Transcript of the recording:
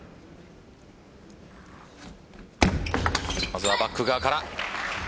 まずはバック側から。